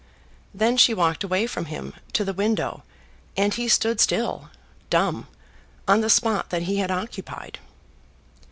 Then she walked away from him to the window, and he stood still, dumb, on the spot that he had occupied.